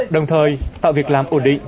đồng thời tạo việc làm ổn định